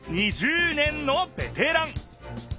２０年のベテラン。